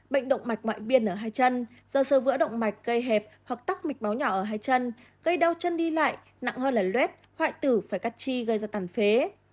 bệnh động mạch mọi biên ở hai chân do sơ vỡ động mạch gây hẹp hoặc tắc mạch máu nhỏ ở hai chân gây đau chân đi lại nặng hơn là luet hoại tử phải cắt chi gây ra tàn phế